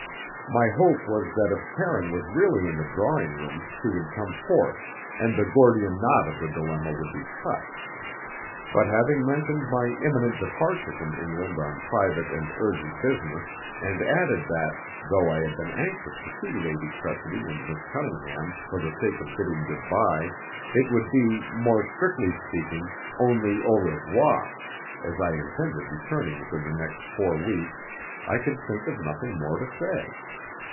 My hope was that if Karine was really in the drawing room she would come forth, and the Gordian knot of the dilemma would be cut. But having mentioned my imminent departure from England on private and urgent business, and added that, though I had been anxious to see Lady Tressidy and Miss Cunningham for the sake of bidding good bye, it would be, more strictly speaking, only au revoir, as I intended returning within the next four weeks, I could think of nothing more to say.